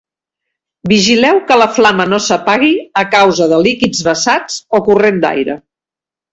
Vigileu que la flama no s'apagui a causa de líquids vessats o corrent d'aire.